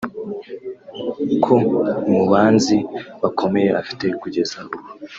ko mu banzi bakomeye afite kugeza ubu